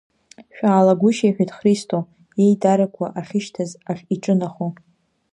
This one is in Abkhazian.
Шәаалагәышьа, — иҳәеит Христо, иеидарақәа ахьышьҭаз ахь иҿынахо.